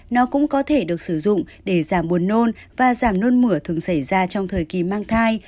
nó cũng có thể được sử dụng để giảm buồn nôn và giảm nôn mửa thường xảy ra trong thời kỳ mang thai